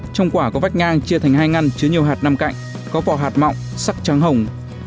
trong quả có vách ngang chia thành hai ngăn chứa nhiều hạt năm cạnh có vỏ hạt mọng sắc trắng hồng